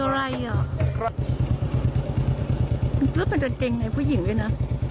แล้วมันจะเกงในผู้หญิงด้วยนะ